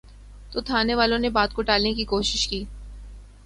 تو تھانے والوں نے بات کو ٹالنے کی کوشش کی۔